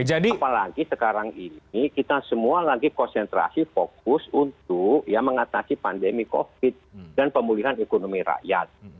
apalagi sekarang ini kita semua lagi konsentrasi fokus untuk mengatasi pandemi covid dan pemulihan ekonomi rakyat